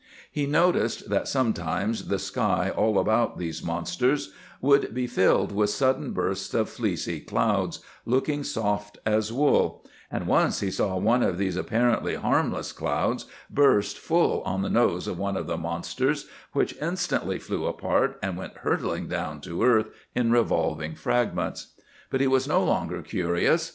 He noticed that sometimes the sky all about these monsters would be filled with sudden bursts of fleecy cloud, looking soft as wool; and once he saw one of these apparently harmless clouds burst full on the nose of one of the monsters, which instantly flew apart and went hurtling down to earth in revolving fragments. But he was no longer curious.